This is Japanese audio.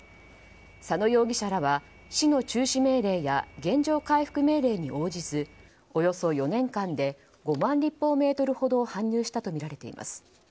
佐野容疑者らは市の中止命令や原状回復命令に応じずおよそ４年間で５万立方メートルほどを搬入したとみられています。